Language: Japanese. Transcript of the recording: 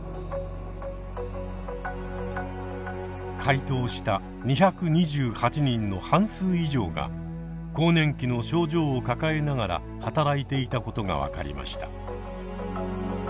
回答した２２８人の半数以上が更年期の症状を抱えながら働いていたことが分かりました。